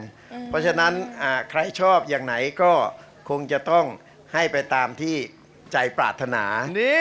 เพราะฉะนั้นใครชอบอย่างไหนก็คงจะต้องให้ไปตามที่ใจปรารถนา